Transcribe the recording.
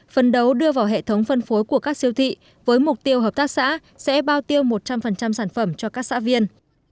phân đấu đưa vào hệ thống phân phối của các siêu thị với mục tiêu hợp tác xã sẽ bao tiêu một trăm linh sản phẩm cho các xã viên